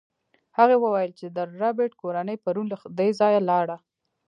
هغې وویل چې د ربیټ کورنۍ پرون له دې ځایه لاړه